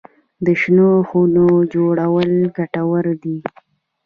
د شنو خونو جوړول ګټور دي؟